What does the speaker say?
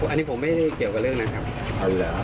อันนี้ผมไม่ได้เกี่ยวกับเรื่องนั้นครับ